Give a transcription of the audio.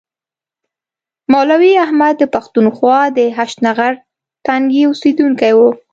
مولوي احمد د پښتونخوا د هشتنغر تنګي اوسیدونکی و.